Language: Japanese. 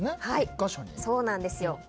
はい、そうなんです。